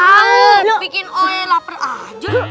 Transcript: ah bikin oe lapar aja